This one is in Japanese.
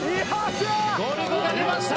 ゴルゴが出ました！